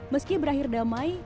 meski berakhir dalam mai